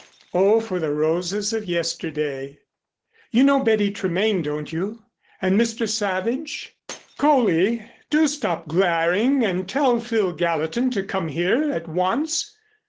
Oh, for the roses of yesterday! You know Betty Tremaine, don't you? And Mr. Savage? Coley do stop glaring and tell Phil Gallatin to come here at once.